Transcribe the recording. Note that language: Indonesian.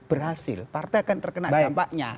berhasil partai akan terkena dampaknya